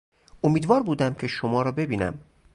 امیدوار بودم که شما را ببینم.